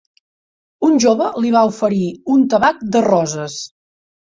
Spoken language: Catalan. Un jove li va oferir un tabac de roses.